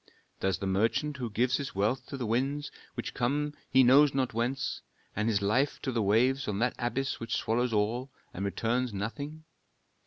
Does the merchant who gives his wealth to the winds, which come he knows not whence, and his life to the waves on that abyss which swallows all, and returns nothing?